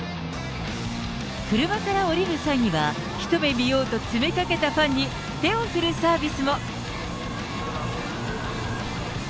車から降りる際には、一目見ようと詰めかけたファンに、手を振るサービスも。